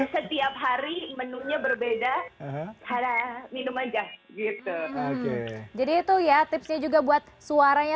setiap hari menunya berbeda minum aja gitu jadi itu ya tipsnya juga buat suaranya